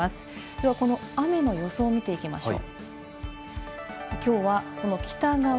ではこの雨の予想を見ていきましょう。